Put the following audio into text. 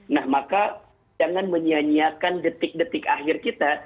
nah maka jangan menyanyiakan detik detik akhir kita